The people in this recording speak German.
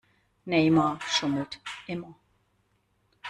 Neymar schummelt immer.